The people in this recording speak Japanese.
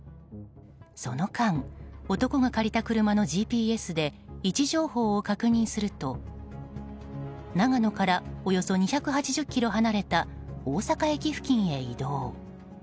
その間、男が借りた車のＧＰＳで位置情報を確認すると長野からおよそ２８０ｋｍ離れた大阪駅付近へ移動。